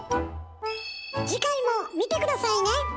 次回も見て下さいね！